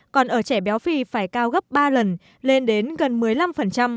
còn ở trẻ béo phì phải cao gấp ba lần lên đến gần một mươi năm